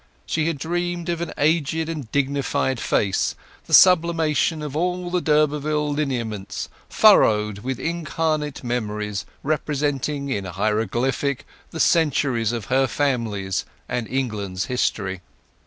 She had dreamed of an aged and dignified face, the sublimation of all the d'Urberville lineaments, furrowed with incarnate memories representing in hieroglyphic the centuries of her family's and England's history.